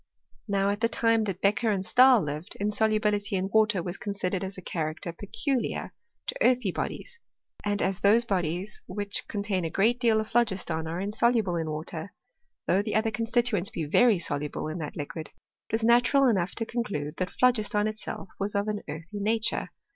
Now, at the time that Beccher and Stahl lived, inso lubility in water was considered as a character pecu liar to earthy bodies ; and as those bodies which con tain a great deal of phlogiston are insoluble in water, though the other constituents be very soluble in that liquid, it was natural enough to conclude that phlo r giston itself was of an earthy nature.